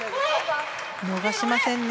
逃しませんね。